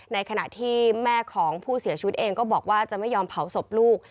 ในขณะที่แม่ของผู้เสียชีวิตเองก็บอกว่าจะไม่ยอมเผาศพลูก